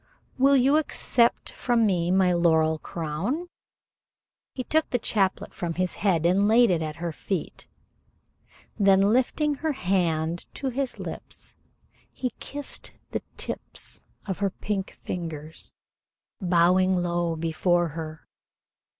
"Will you accept from me my laurel crown?" He took the chaplet from his head and laid it at her feet. Then, lifting her hand to his lips, he kissed the tips of her pink fingers, bowing low before her.